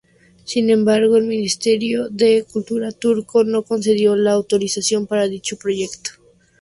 Sin embargo, el Ministerio de Cultura turco no concedió la autorización para dicho proyecto.